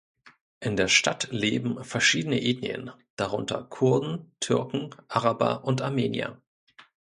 In der Stadt leben verschiedene Ethnien, darunter Kurden, Türken, Araber und Armenier.